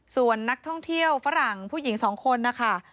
ส่วนนักท่องเที่ยวฝรั่งผู้หญิง๒คนนะคะ